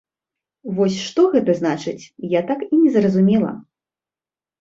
Вось што гэта значыць, я так і не зразумела.